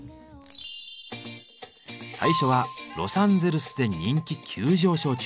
最初はロサンゼルスで人気急上昇中！